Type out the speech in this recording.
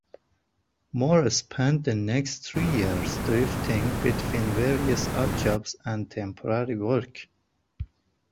Moore spent the next three years drifting between various odd jobs and temporary work.